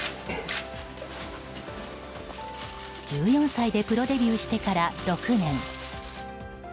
１４歳でプロデビューしてから６年。